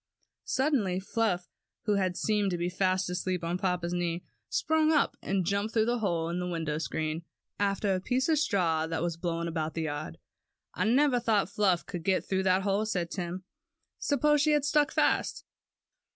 Suddenly Fluff, who had seemed to be fast asleep on papa's knee, sprang up and jumped through a hole in the window screen, after a piece of straw that was blowing about the yard. "I never thought Fluff could get through that hole," said Tim; "suppose she had stuck fast."